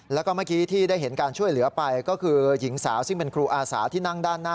แล้วก็เมื่อกี้ที่ได้เห็นการช่วยเหลือไปก็คือหญิงสาวซึ่งเป็นครูอาสาที่นั่งด้านหน้า